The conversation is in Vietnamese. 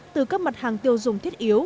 từ các mặt hàng tiêu dùng thiết yếu